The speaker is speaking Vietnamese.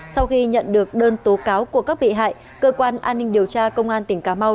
sau khi nhận được đơn tố cáo của các bị hại cơ quan an ninh điều tra công an tỉnh cà mau